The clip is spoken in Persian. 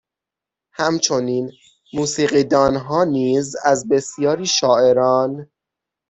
همچنین موسیقیدانها نیز از بسیاری شاعران